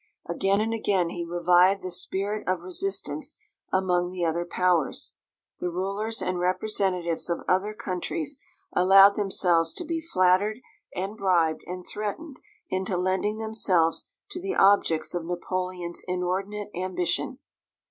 Again and again he revived the spirit of resistance among the other Powers. The rulers and representatives of other countries allowed themselves to be flattered and bribed and threatened into lending themselves to the objects of Napoleon's inordinate ambition.